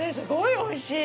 おいしい。